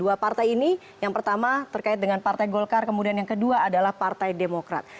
dua partai ini yang pertama terkait dengan partai golkar kemudian yang kedua adalah partai demokrat